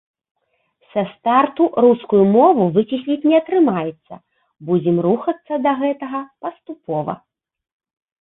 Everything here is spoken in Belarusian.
Са старту рускую мову выцесніць не атрымаецца, будзем рухацца да гэтага паступова.